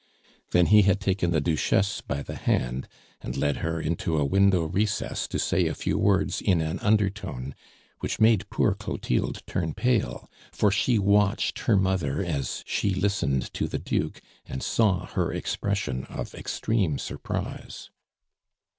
Then he had taken the Duchesse by the hand, and led her into a window recess to say a few words in an undertone, which made poor Clotilde turn pale; for she watched her mother as she listened to the Duke, and saw her expression of extreme surprise.